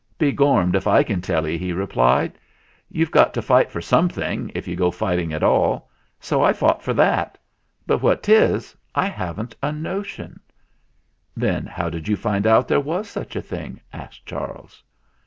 "Be gormed if I can tell 'e," he replied. 226 THE FLINT HEART "You've got to fight for something, if you go fighting at all ; so I fought for that. But what 'tis I haven't a notion." "Then how did you find out there was such a thing?" asked Charles.